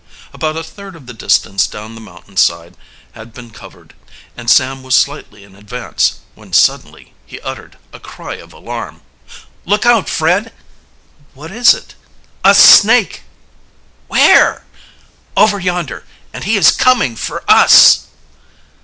About a third of the distance down the mountain side had been covered, and Sam was slightly in advance, when suddenly he uttered a cry of alarm. "Look out, Fred!" "What is it?" "A snake!" "Where?" "Over yonder! And he is coming for us!"